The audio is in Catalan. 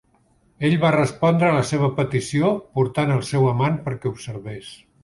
Ell va respondre a la seva petició, portant al seu amant perquè observés.